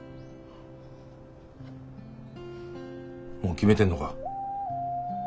もう決めてんのか。